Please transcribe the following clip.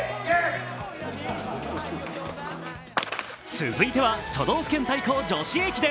続いては都道府県対抗女子駅伝。